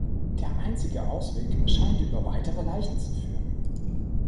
Der einzige Ausweg scheint über weitere Leichen zu führen.